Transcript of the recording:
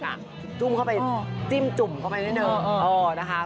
สุดแล้วจิ้มขึ้นเข้าไปจุ่มเค้าก็ไม่ได้เนิ่ง